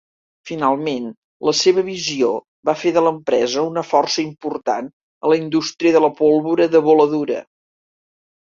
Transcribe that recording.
Finalment, la seva visió va fer de l'empresa una força important a la indústria de la pólvora de voladura.